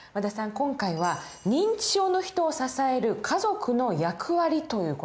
今回は認知症の人を支える家族の役割という事ですね。